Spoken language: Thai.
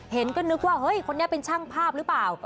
เห็นก็นึกว่าเฮ้ยคนนี้เป็นช่างภาพหรือเปล่า